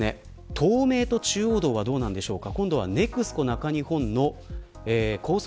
東名と中央道はどうなんでしょうか。